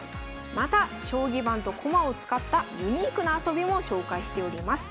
また将棋盤と駒を使ったユニークな遊びも紹介しております。